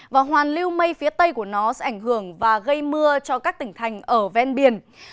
và hoàn lưu mây phía tây của nó sẽ ảnh hưởng và gây mưa cho các tỉnh thành ở ven biển